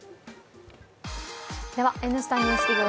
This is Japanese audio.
「Ｎスタ・ＮＥＷＳＤＩＧ」